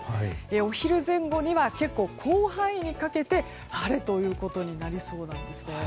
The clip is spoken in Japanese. お昼前後には結構、広範囲にかけて晴れということになりそうなんですね。